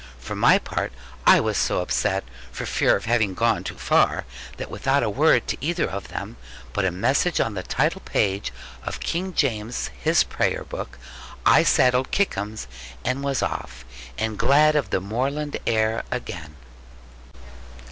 For my part, I was so upset, for fear of having gone too far, that without a word to either of them, but a message on the title page of King James his Prayer book, I saddled Kickums, and was off, and glad of the moorland air again.